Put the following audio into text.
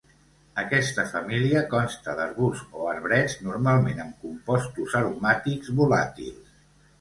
Aquesta família consta d'arbusts o arbrets normalment amb compostos aromàtics volàtils.